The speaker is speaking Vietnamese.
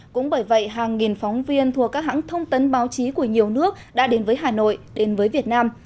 cũng bởi vậy hàng nghìn phóng viên thuộc các hãng thông tấn báo chí của nhiều nước đã đến với hà nội đến với việt nam